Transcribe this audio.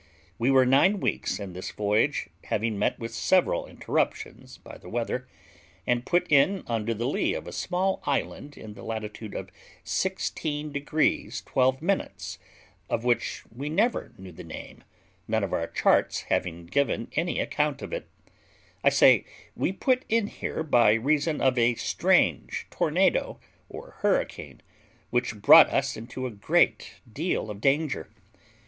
We were nine weeks in this voyage, having met with several interruptions by the weather, and put in under the lee of a small island in the latitude of 16 degrees 12 minutes, of which we never knew the name, none of our charts having given any account of it: I say, we put in here by reason of a strange tornado or hurricane, which brought us into a great deal of danger.